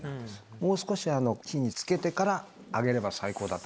もう少し火につけてから、あげれば最高だった。